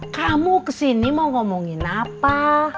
kamu kesini mau ngomongin apa